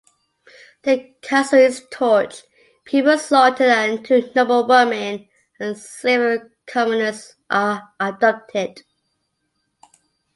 The castle is torched, people slaughtered and two noblewomen and several commoners are abducted.